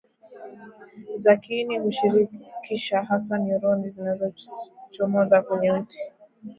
za kiini hushirikisha hasa neuroni zinazochomozakwenye uti